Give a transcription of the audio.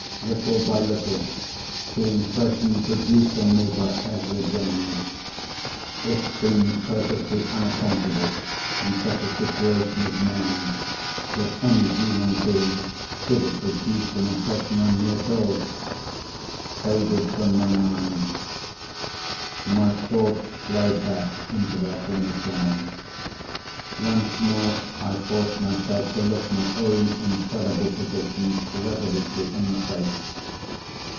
Little by little, the impression produced on me by Ezra Jennings—it seemed perfectly unaccountable, in such a situation as mine, that any human being should have produced an impression on me at all!—faded from my mind. My thoughts flowed back into their former channel. Once more, I forced myself to look my own incredible position resolutely in the face.